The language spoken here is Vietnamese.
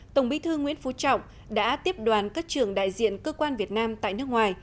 tổng bí thư nguyễn phú trọng đã tiếp đoàn các trưởng đại diện cơ quan việt nam tại nước ngoài